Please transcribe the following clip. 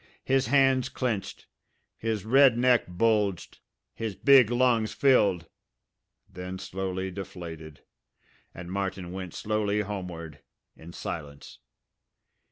His hands clenched. His red neck bulged. His big lungs filled then slowly deflated; and Martin went slowly homeward, in silence.